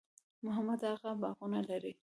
محمد اغه باغونه لري؟